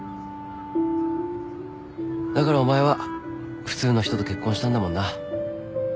だからお前は普通の人と結婚したんだもんな。